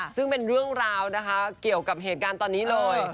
ซึ่งเป็นเรื่องราวนะคะเกี่ยวกับเหตุการณ์ตอนนี้เลย